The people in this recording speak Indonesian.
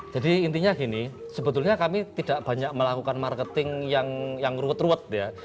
jadi intinya gini sebetulnya kami tidak banyak melakukan marketing yang ruwet ruwet ya